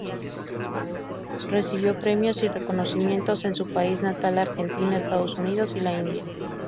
Recibió premios y reconocimientos en su país natal, Argentina, Estados Unidos y la India.